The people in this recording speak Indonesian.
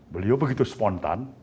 beliau begitu spontan